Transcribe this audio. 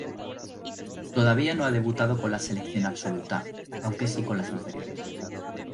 Todavía no ha debutado con la selección absoluta, aunque sí con las inferiores.